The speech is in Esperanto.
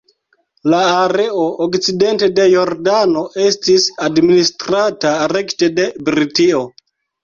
La areo okcidente de Jordano estis administrata rekte de Britio.